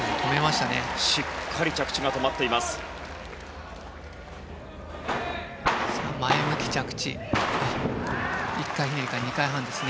しっかり着地が止まっています。